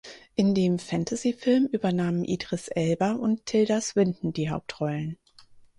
In dem Fantasyfilm übernahmen Idris Elba und Tilda Swinton die Hauptrollen.